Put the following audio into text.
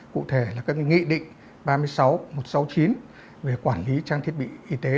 cụ thể là các nghị định ba mươi sáu một trăm sáu mươi chín về quản lý trang thiết bị y tế